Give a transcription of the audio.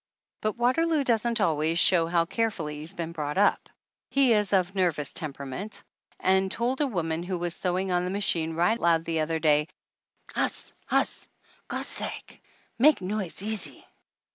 But Waterloo doesn't al ways show how carefully he's been brought up. He is of nervous temperament and told a woman who was sewing on the machine right loud the other day : "Hus', hus' ! God's sake, make noise easy!"